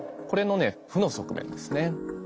これのね負の側面ですね。